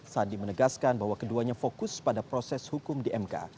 sandi menegaskan bahwa keduanya fokus pada proses hukum di mk